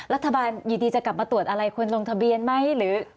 รัฐบาลอยู่ดีจะกลับมาตรวจอะไรควรลงทะเบียนไหมหรือ